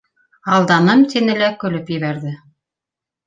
Алданым, — тине лә көлөп ебәрҙе.